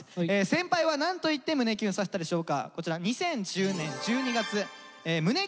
先輩は何と言って胸キュンさせたでしょうか。